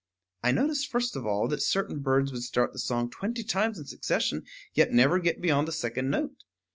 I noticed, first of all, that certain birds would start the song twenty times in succession, yet never get beyond the second note.